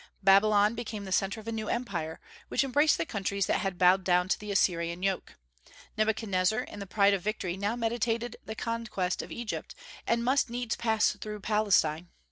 Babylon became the centre of a new empire, which embraced the countries that had bowed down to the Assyrian yoke. Nebuchadnezzar in the pride of victory now meditated the conquest of Egypt, and must needs pass through Palestine.